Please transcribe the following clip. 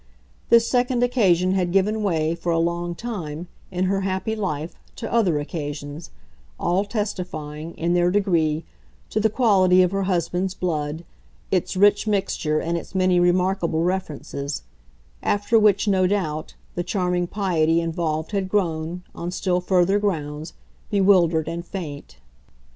This second occasion had given way, for a long time, in her happy life, to other occasions all testifying, in their degree, to the quality of her husband's blood, its rich mixture and its many remarkable references; after which, no doubt, the charming piety involved had grown, on still further grounds, bewildered and faint.